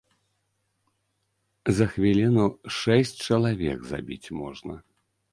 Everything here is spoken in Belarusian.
За хвіліну шэсць чалавек забіць можна.